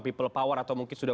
people power atau mungkin sudah